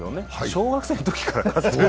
小学生のときから。